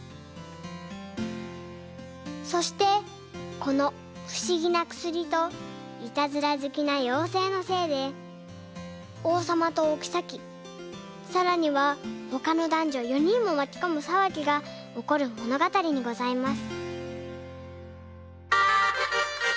そしてこのふしぎなくすりといたずらずきなようせいのせいでおうさまとおきさきさらにはほかのだんじょ４にんもまきこむさわぎがおこるものがたりにございます。